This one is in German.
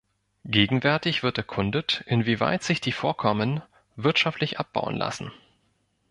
Gegenwärtig wird erkundet, inwieweit sich die Vorkommen wirtschaftlich abbauen lassen.